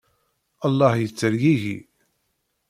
Allah yettergigi!